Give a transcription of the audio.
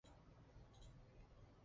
米兰公爵爵位由路易十二继承。